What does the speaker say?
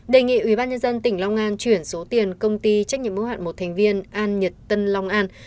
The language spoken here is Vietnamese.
đề nghị ủy ban nhân dân tỉnh long an truyền số tiền công ty trách nhiệm mưu hạn một thành viên an nhật tân long an